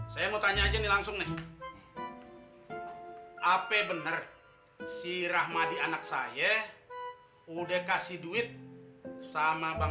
saya mau tanya aja nih langsung nih apa bener si rahmadi anak saya udah kasih duit sama bang